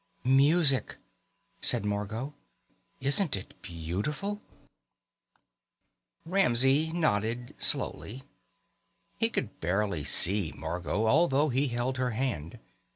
"Music," said Margot. "Isn't it beautiful?" Ramsey nodded slowly. He could barely see Margot, although he held her hand.